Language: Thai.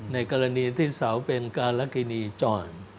ในกรณีที่เสาเป็นการละกินีจร